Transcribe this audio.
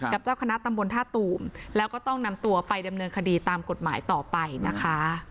เจ้าคณะตำบลท่าตูมแล้วก็ต้องนำตัวไปดำเนินคดีตามกฎหมายต่อไปนะคะ